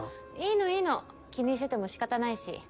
いいのいいの気にしてても仕方ないし。